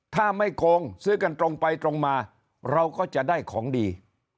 ถ้าไม่โกงซื้อกันตรงไปตรงมาเราก็จะได้ของดี